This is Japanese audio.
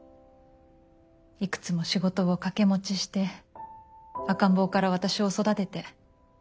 いくつも仕事を掛け持ちして赤ん坊から私を育てて。